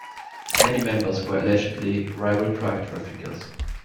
Many members were allegedly rival drug traffickers.